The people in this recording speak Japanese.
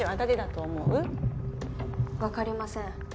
わかりません。